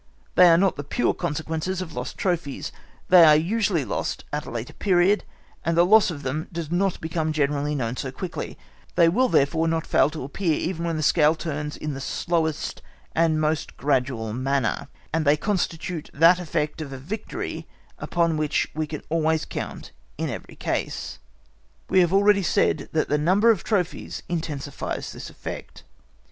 They are not the pure consequences of lost trophies; these are usually lost at a later period, and the loss of them does not become generally known so quickly; they will therefore not fail to appear even when the scale turns in the slowest and most gradual manner, and they constitute that effect of a victory upon which we can always count in every case. We have already said that the number of trophies intensifies this effect.